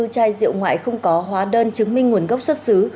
ba bốn trăm bảy mươi bốn chai rượu ngoại không có hóa đơn chứng minh nguồn gốc xuất xứ